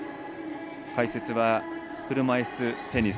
解説は車いすテニス